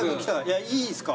いいすか？